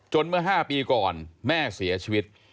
เมื่อ๕ปีก่อนแม่เสียชีวิต